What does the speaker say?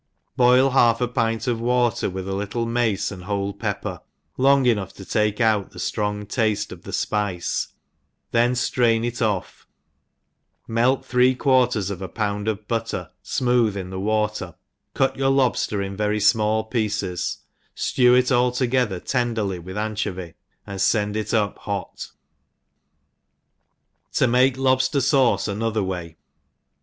BOIL half a pint of water with a little mace and whole pepper, long enough to take out the flrong tafle of the fpice, then flrain it off, melt three quarters of a pound of butter fmooth in the water, cut your lobfler in very fmall pieces ftew it all together tenderly with anchovy, and fend it up hot. To make Lobster Sauce another ^joay.